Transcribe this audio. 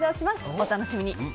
お楽しみに。